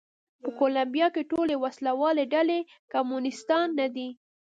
په کولمبیا کې ټولې وسله والې ډلې کمونېستان نه دي.